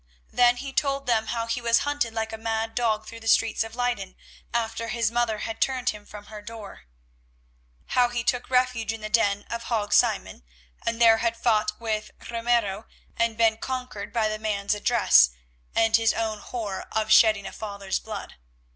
Then he told them how he was hunted like a mad dog through the streets of Leyden after his mother had turned him from her door; how he took refuge in the den of Hague Simon, and there had fought with Ramiro and been conquered by the man's address and his own horror of shedding a father's blood.